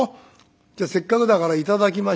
「じゃせっかくだから頂きましょう」。